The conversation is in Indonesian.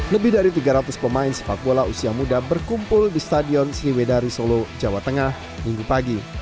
lebih dari tiga ratus pemain sepak bola usia muda berkumpul di stadion sriwedari solo jawa tengah minggu pagi